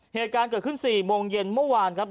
เหตุการณ์เกิดขึ้น๔โมงเย็นเมื่อวานครับ